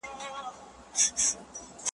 د وخت ملامتي ده چي جانان په باور نه دی `